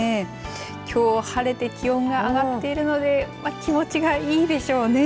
きょうは晴れて気温が上がっているので気持ちがいいでしょうね。